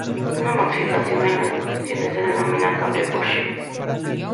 Una modificación en las posiciones se denomina cambio o "shift".